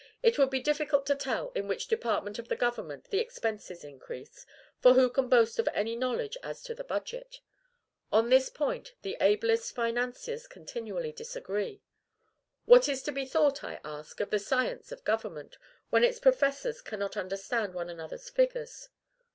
It would be difficult to tell in which department of the government the expenses increase; for who can boast of any knowledge as to the budget? On this point, the ablest financiers continually disagree. What is to be thought, I ask, of the science of government, when its professors cannot understand one another's figures?